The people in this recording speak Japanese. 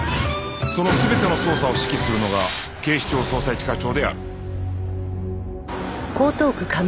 その全ての捜査を指揮するのが警視庁捜査一課長である